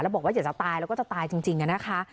และบอกว่าอยากจะตายและก็จะตายจริงค่ะ